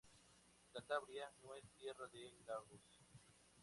Cantabria no es tierra de lagos.